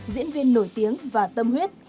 diễn viên nổi tiếng và tâm huyết